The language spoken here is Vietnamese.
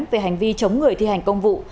về hành vi chống người thi hành công vụ